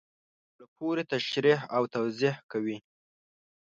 په زړه پوري تشریح او توضیح کوي.